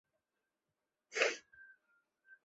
教父早期宗教作家及宣教师的统称。